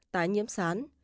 tái nhiễm sán